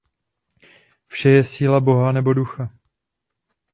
Vše je síla Boha nebo Ducha.